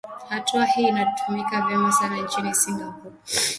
Hatua hii inatumika vyema sana nchini Singapore